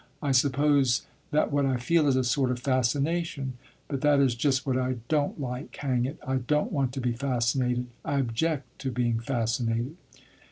I suppose that what I feel is a sort of fascination; but that is just what I don't like. Hang it, I don't want to be fascinated I object to being fascinated!"